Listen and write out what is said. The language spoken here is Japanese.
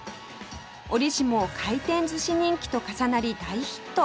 折しも回転寿司人気と重なり大ヒット